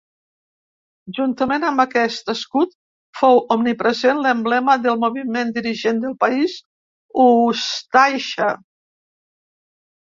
Juntament amb aquest escut fou omnipresent l'emblema del moviment dirigent del país, Ústaixa.